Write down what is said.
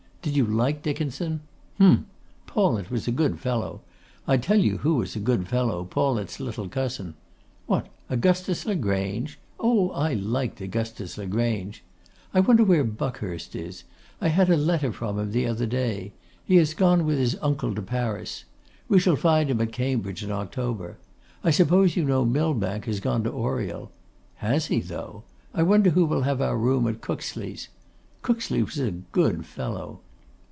Did you like Dickinson? Hum! Paulet was a good fellow. I tell you who was a good fellow, Paulet's little cousin. What! Augustus Le Grange? Oh! I liked Augustus Le Grange. I wonder where Buckhurst is? I had a letter from him the other day. He has gone with his uncle to Paris. We shall find him at Cambridge in October. I suppose you know Millbank has gone to Oriel. Has he, though! I wonder who will have our room at Cookesley's? Cookesley was a good fellow!